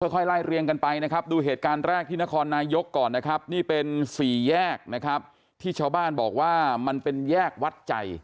ค่อยไล่เรียงกันไปนะครับดูเหตุการณ์แรกที่นครนายกก่อนนะครับนี่เป็นสี่แยกนะครับที่ชาวบ้านบอกว่ามันเป็นแยกวัดใจ